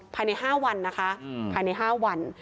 ภายใน๕วันนะคะภายใน๕วัน